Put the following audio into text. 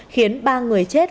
khiến ba người chết